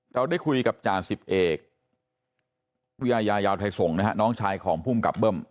เราได้คุยกับจารย์๑๑พุยายายาวไทยส่งนะครับน้องชายของภูมิกับเบิ้ม